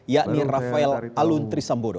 yakni rafael aluntrisambodo